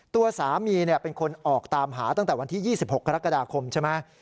ตัวสามีเป็นคนออกตามหาตั้งแต่วันที่๒๖กรกฎาคมใช่ไหม